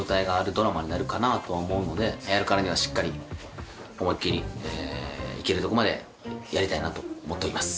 ドラマになるかなとは思うのでやるからにはしっかり思いっきりいけるとこまでやりたいなと思っています。